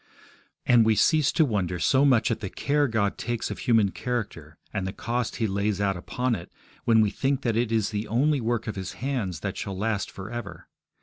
And we cease to wonder so much at the care God takes of human character, and the cost He lays out upon it, when we think that it is the only work of His hands that shall last for ever.